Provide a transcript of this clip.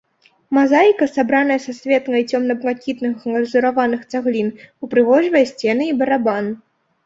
Мазаіка, сабраная са светла- і цёмна- блакітных глазураваных цаглін, ўпрыгожвае сцены і барабан.